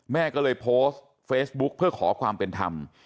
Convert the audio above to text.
แม่ก็เลยโพสต์เฟซบุ๊กเพื่อขอความเป็นธรรม